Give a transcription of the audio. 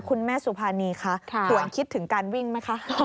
คุณแม่สุภานีคะถวนคิดถึงการวิ่งไหมคะ